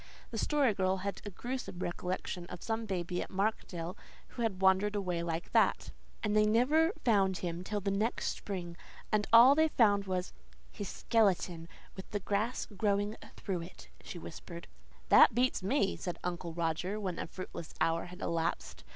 The Story Girl had a gruesome recollection of some baby at Markdale who had wandered away like that "And they never found him till the next spring, and all they found was HIS SKELETON, with the grass growing through it," she whispered. "This beats me," said Uncle Roger, when a fruitless hour had elapsed.